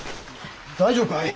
大丈夫かい？